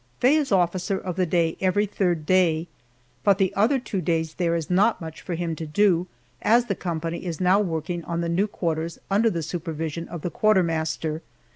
Faye is officer of the day every third day, but the other two days there is not much for him to do, as the company is now working on the new quarters under the supervision of the quartermaster.